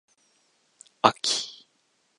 あき